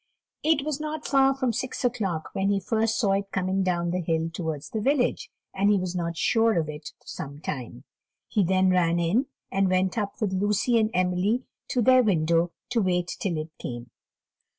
It was not far from six o'clock when he first saw it coming down the hill towards the village, and he was not sure of it for some time; he then ran in, and went up with Lucy and Emily to their window to wait till it came.